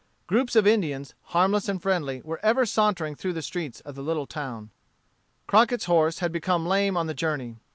Groups of Indians, harmless and friendly, were ever sauntering through the streets of the little town. Colonel Crockett's horse had become lame on the journey.